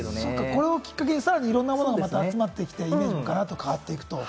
これをきっかけにさらにいろんなものが集まって、また変わっていくと。